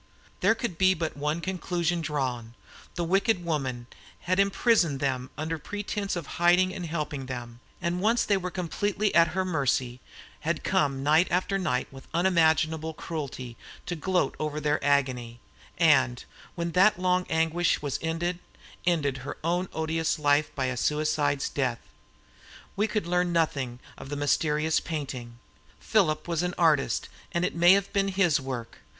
There could be but one conclusion drawn, the wicked woman had imprisoned them there under pretense of hiding and helping them; and once they were completely at her mercy, had come night after night with unimaginable cruelty to gloat over their agony, and, when that long anguish was ended, ended her odious life by a suicide's death. We could learn nothing of the mysterious painting. Philip was an artist, and it may have been his work.